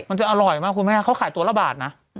มันจะอร่อยมากคุณแม่เขาขายตัวละบาทนะ